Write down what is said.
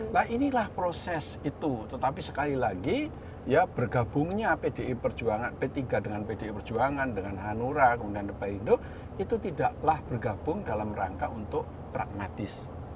nah inilah proses itu tetapi sekali lagi ya bergabungnya pdi perjuangan p tiga dengan pdi perjuangan dengan hanura kemudian depan indo itu tidaklah bergabung dalam rangka untuk pragmatis